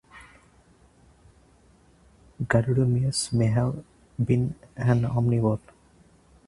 "Garudimimus" may have been an omnivore.